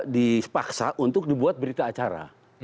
dipaksa untuk dibuat berita acara